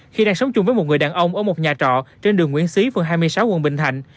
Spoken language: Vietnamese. khi đang sống chung với một người đàn ông ở một nhà trọ trên đường nguyễn xí phường hai mươi sáu quận bình thạnh